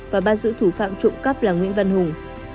và ban giữ thủ phạm trộm cấp là nguyễn văn hùng